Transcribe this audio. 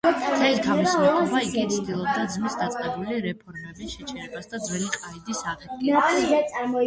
მთელი თავისი მეფობა იგი ცდილობდა ძმის დაწყებული რეფორმების შეჩერებას და ძველი ყაიდის აღდგენას.